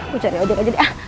gue cari odot aja deh ah